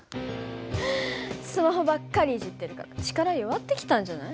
スマホばっかりいじってるから力弱ってきたんじゃない？